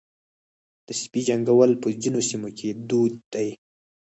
د سپي جنګول په ځینو سیمو کې دود دی.